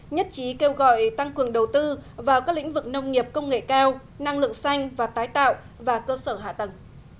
nhất trí kêu gọi tăng cường đầu tư vào các lĩnh vực nông nghiệp công nghệ cao năng lượng xanh và tái tạo và cơ sở hạ tầng